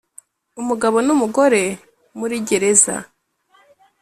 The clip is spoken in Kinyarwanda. umugabo n umugore muri gereza